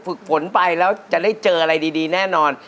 ฝึกฝนไปแล้วจะได้เจออะไรดีแน่นอน